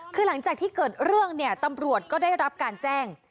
คือหลังจากที่เกิดเรื่องเนี่ยตำรวจก็ได้รับการแจ้ง